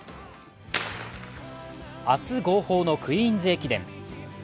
明日号砲のクイーンズ駅伝。